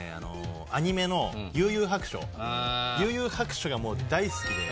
アニメの『幽☆遊☆白書』『幽☆遊☆白書』がもう大好きで。